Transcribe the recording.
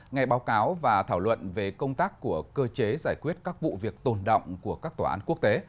ngày báo cáo và thảo luận về công tác của cơ chế giải quyết các vụ việc tồn động của các tòa án quốc tế